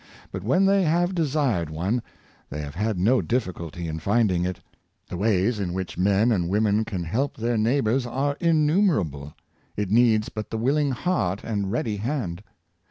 But when they have de sired one, they have had no difficulty in finding it. The ways in which men and women can help their neigh bors are innumerable. It needs but the willing heart and ready hand.